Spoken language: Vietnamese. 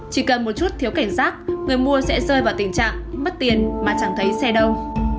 chỉ cần một chút thiếu cảnh giác người mua sẽ rơi vào tình trạng mất tiền mà chẳng thấy xe đâu